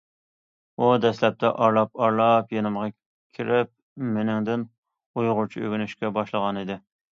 ئۇ دەسلەپتە ئارىلاپ- ئارىلاپ يېنىمغا كىرىپ مېنىڭدىن ئۇيغۇرچە ئۆگىنىشكە باشلىغانىدى.